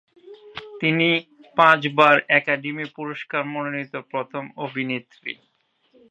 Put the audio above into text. তিনি পাঁচবার একাডেমি পুরস্কারে মনোনীত প্রথম অভিনেত্রী।